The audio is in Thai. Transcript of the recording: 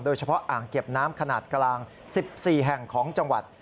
อ่างเก็บน้ำขนาดกลาง๑๔แห่งของจังหวัด